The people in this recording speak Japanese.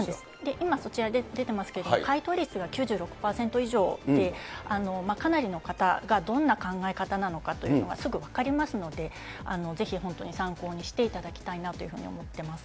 今そちら出てますけれども、回答率が９６％以上で、かなりの方がどんな考え方なのかというのがすぐ分かりますので、ぜひ本当に参考にしていただきたいなというふうに思っています。